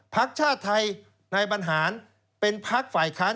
พักชาติไทยนายบรรหารเป็นพักฝ่ายค้าน